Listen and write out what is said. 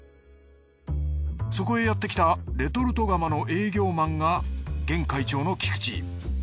そこへやってきたレトルト釜の営業マンが現会長の菊池。